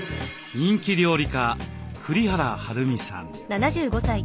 人気料理家栗原はるみさん。